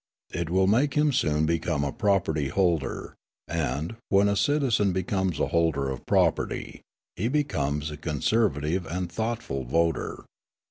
It will make him soon become a property holder; and, when a citizen becomes a holder of property, he becomes a conservative and thoughtful voter.